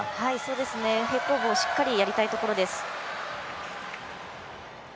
平行棒、しっかりとやりたいところです。